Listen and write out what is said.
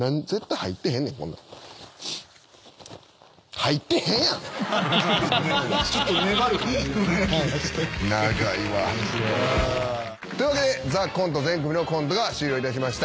入ってへんやん。というわけで『ＴＨＥＣＯＮＴＥ』全組のコントが終了いたしました。